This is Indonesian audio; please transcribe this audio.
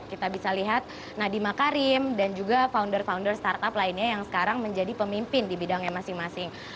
kita bisa lihat nadiem makarim dan juga founder founder startup lainnya yang sekarang menjadi pemimpin di bidangnya masing masing